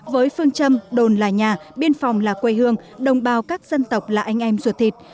với phương châm đồn là nhà biên phòng là quê hương đồng bào các dân tộc là anh em ruột thịt